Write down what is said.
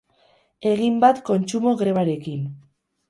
Egin bat kontsumo grebarekin.